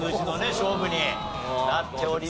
勝負になっておりますね。